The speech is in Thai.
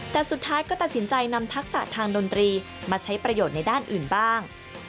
แต่สุดท้ายก็ตัดสินใจนำทักษะทางดนตรีมาใช้ประโยชน์ในด้านอื่นบ้าง